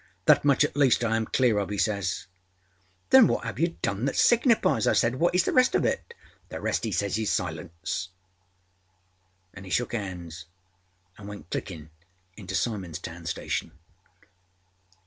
That much at least I am clear of,â âe says. ââThen what have you done that signifies?â I said. âWhatâs the rest of it?â ââThe rest,â âe says, âis silence,â anâ he shook âands and went clickinâ into Simons Town station.